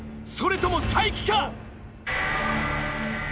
それとも才木か？